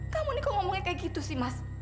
kamu nih kok ngomongnya kayak gitu sih mas